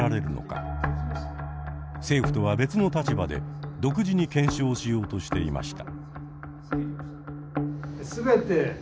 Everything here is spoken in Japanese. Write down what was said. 政府とは別の立場で独自に検証しようとしていました。